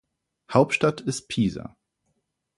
Hauptstadt ist Pisa.